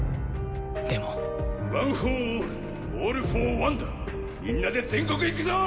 でもワンフォーオールオールフォーワンだ。みんなで全国行くぞ！